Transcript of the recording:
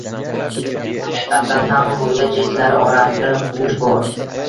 Haqiqatan ham, ruda jinslari orasida kumush bor.